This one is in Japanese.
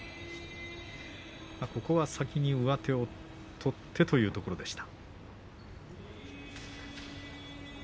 先に上手を取ってというところでした。